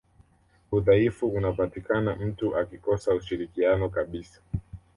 udhaifu unapatikana mtu akikosa ushirikiano kabisa